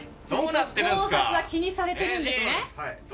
気にされてるんですね。